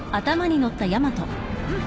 うん。